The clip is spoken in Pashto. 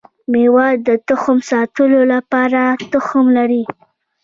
ميوه د تخم ساتلو لپاره غوښه لري